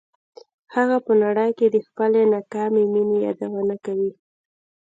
هغه په نړۍ کې د خپلې ناکامې مینې یادونه کوي